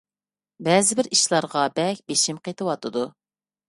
بەزىبىر ئىشلارغا بەك بېشىم قېتىۋاتىدۇ.